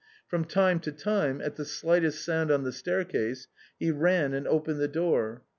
From time to time, at the slightest sound on the staircase, he ran and opened the door.